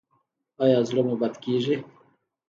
ایا زړه مو بد کیږي؟